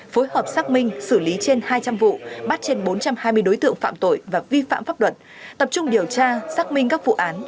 phối hợp xác minh xử lý trên hai trăm linh vụ bắt trên bốn trăm hai mươi đối tượng phạm tội và vi phạm pháp luật tập trung điều tra xác minh các vụ án